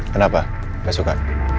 kenapa gak suka